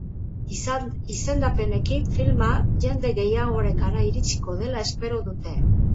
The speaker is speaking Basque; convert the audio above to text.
Izendapenekin filma jende gehiagorengana iritsiko dela espero dute.